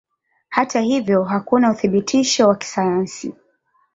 Hata hivyo hakuna uthibitisho wa kisayansi.